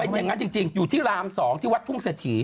อย่างนั้นจริงอยู่ที่ราม๒ที่วัดทุ่งเศรษฐี